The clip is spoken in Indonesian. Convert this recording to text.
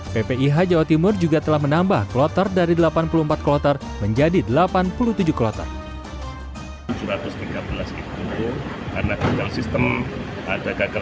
ppih jawa timur juga telah menambah kloter dari delapan puluh empat kloter menjadi delapan puluh tujuh kloter